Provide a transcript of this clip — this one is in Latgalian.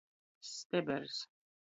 Stebers.